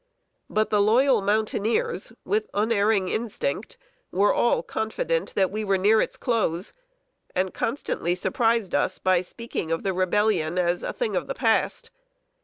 But the loyal mountaineers, with unerring instinct, were all confident that we were near its close, and constantly surprised us by speaking of the Rebellion as a thing of the past.